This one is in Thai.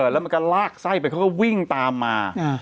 แล้วมันก็ลากไส้ไปเขาก็วิ่งตามมา